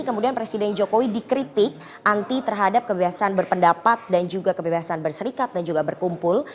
kemudian presiden jokowi dikritik anti terhadap kebebasan berpendapat dan juga kebebasan berserikat dan juga berkumpul